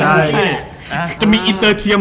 อื้อว่าอินเตอร์เทียม